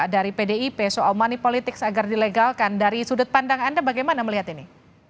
dari pdip soal money politics agar dilegalkan dari sudut pandang anda bagaimana melihat ini